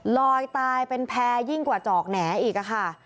ลอยตายเป็นแพร่ยิ่งกว่าจอกแหน่อีกค่ะ